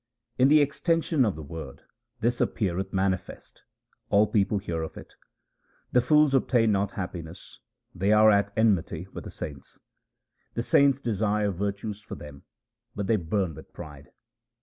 In the extension of the world this appeareth manifest : all people hear of it. The fools obtain not happiness ; they are at enmity with the saints. The saints desire virtues for them, but they burn with pride.